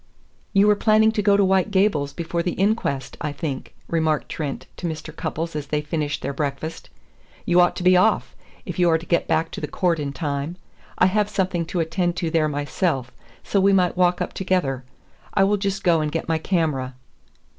"You were planning to go to White Gables before the inquest, I think," remarked Trent to Mr. Cupples as they finished their breakfast. "You ought to be off, if you are to get back to the court in time. I have something to attend to there myself, so we might walk up together. I will just go and get my camera."